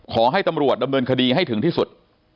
ขอให้ตำรวจดำเนินคดีให้ถึงที่สุด